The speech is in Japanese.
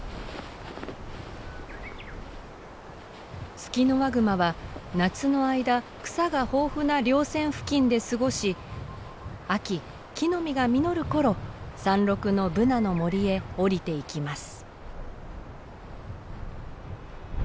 ツキノワグマは夏の間草が豊富な稜線付近で過ごし秋木の実が実る頃山麓のブナの森へ下りていきます。